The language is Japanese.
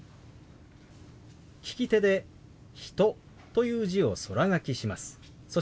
利き手で「人」という字を空書きします。